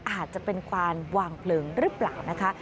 อาจจะเป็นควานวางเพลิงหรือเปล่านะคะ